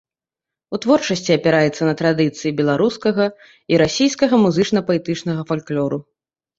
У творчасці апіраецца на традыцыі беларускага і расійскага музычна-паэтычнага фальклору.